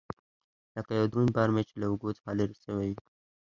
لکه يو دروند بار مې چې له اوږو څخه لرې سوى وي.